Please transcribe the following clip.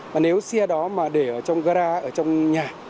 và nếu xe đó mà để ở trong gara ở trong nhà